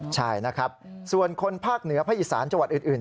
ใช่นะครับส่วนคนภาคเหนือภาคอีสานจังหวัดอื่น